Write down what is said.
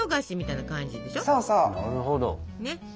なるほど。